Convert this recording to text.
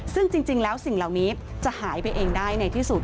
ซึ่งจริงแล้วสิ่งเหล่านี้จะหายไปเองได้ในที่สุด